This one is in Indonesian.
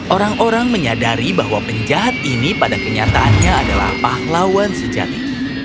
orang orang menyadari bahwa penjahat ini pada kenyataannya adalah pahlawan sejati